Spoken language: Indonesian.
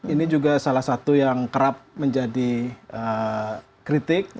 ini juga salah satu yang kerap menjadi kritik